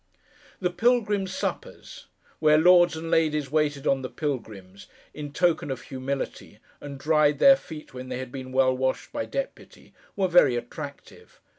The Pilgrims' Suppers: where lords and ladies waited on the Pilgrims, in token of humility, and dried their feet when they had been well washed by deputy: were very attractive.